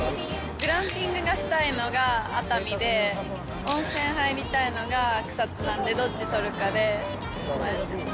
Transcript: グランピングがしたいのが、熱海で、温泉入りたいのが草津なんですけど、どっち取るかで迷ってます。